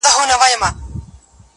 چا ویل چي دا ګړی به قیامت کیږي؟ -